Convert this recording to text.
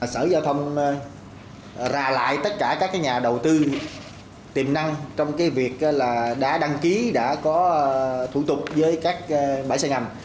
sở giao thông ra lại tất cả các nhà đầu tư tiềm năng trong việc đã đăng ký đã có thủ tục với các bãi xe ngầm